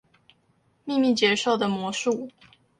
秘密結社的魔術